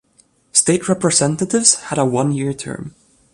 State Representatives had a one-year term.